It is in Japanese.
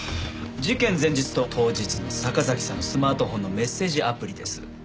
事件前日と当日の坂崎さんのスマートフォンのメッセージアプリです。